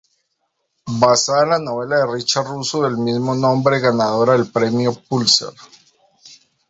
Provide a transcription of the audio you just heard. Basada en la novela de Richard Russo del mismo nombre ganadora del Premio Pulitzer.